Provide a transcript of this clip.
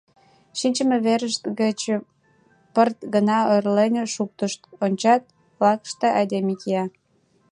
Шинчыме верышт гыч пырт гына ойырлен шуктышт, ончат — лакыште айдеме кия.